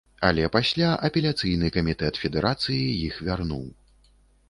Але пасля апеляцыйны камітэт федэрацыі іх вярнуў.